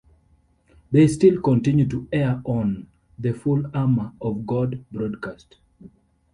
They still continue to air on The Full Armor of God Broadcast.